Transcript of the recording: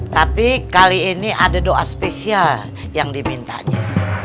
tapi kali ini ada doa spesial yang dimintanya